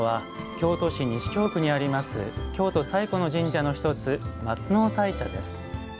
京都最古の神社の一つ松尾大社です。